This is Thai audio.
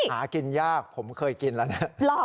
หากินยากผมเคยกินแล้วนะ